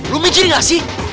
lu menciri gak sih